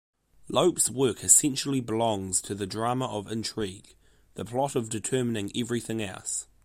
Lope's work essentially belongs to the drama of intrigue, the plot determining everything else.